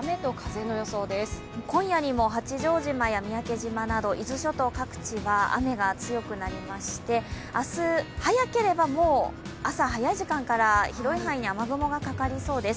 今夜にも八丈島や三宅島など伊豆諸島各地は雨が強くなりまして、明日早ければ早い時間から広い範囲に雨雲がかかりそうです。